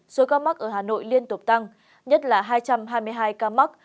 số ca mắc ở hà nội liên tục tăng nhất là hai trăm hai mươi hai ca mắc